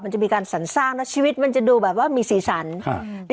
มันจะมีการสรรสร้างแล้วชีวิตมันจะดูแบบว่ามีสีสันครับ